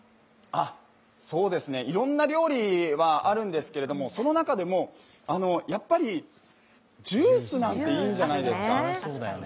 いろんな料理はあるんですけれども、その中でもやっぱりジュースなんていいんじゃないですか？